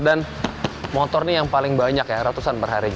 dan motor ini yang paling banyak ya ratusan perhari